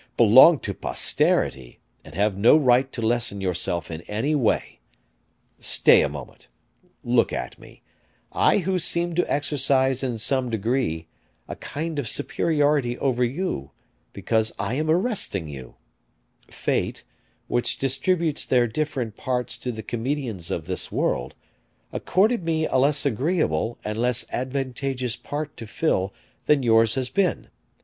_ belong to posterity, and have no right to lessen yourself in any way. Stay a moment; look at me, I who seem to exercise in some degree a kind of superiority over you, because I am arresting you; fate, which distributes their different parts to the comedians of this world, accorded me a less agreeable and less advantageous part to fill than yours has been.